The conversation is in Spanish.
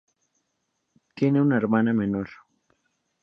Tiene una hermana menor.